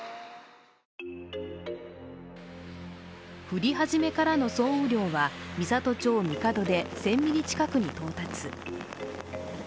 降り始めからの総雨量は美郷町神門で１０００ミリ近くに到達。